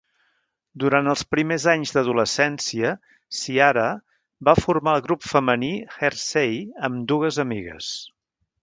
Durant els primers anys d'adolescència, Ciara va formar el grup femení Hearsay amb dues amigues.